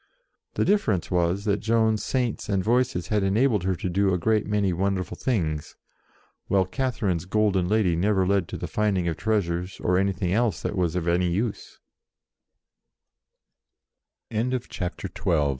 The difference was that Joan's Saints and Voices had enabled her to do a great many wonderful things, while Catherine's golden lady never led to the finding of treasures or anything else tha